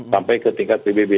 sampai ke tingkat pbb